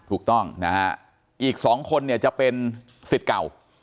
ถูกต้องนะฮะอีก๒คนเนี่ยจะเป็นสิทธิ์เก่า